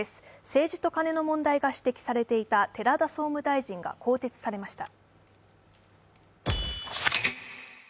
政治とカネの問題が指摘されていた寺田総務大臣が更迭されました。